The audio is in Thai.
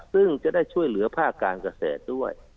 ซึ่งจะได้ช่วยเหลือภาคการเกษตรด้วย